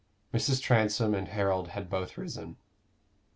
Mrs. Transome and Harold had both risen.